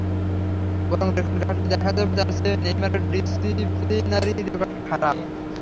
বরং রেকর্ড ঘাঁটলে দেখা যাবে, তাঁর চেয়ে নেইমারের ডিসিপ্লিনারি রেকর্ড খারাপ।